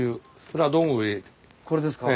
これですか？